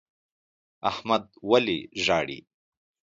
احمد ولي ژاړي؟